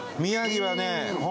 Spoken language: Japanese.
宮城はね